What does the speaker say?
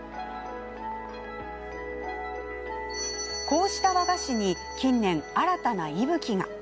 こうした和菓子に近年、新たな息吹が。